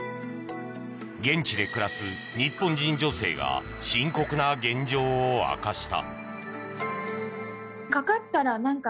現地で暮らす日本人女性が深刻な現状を明かした。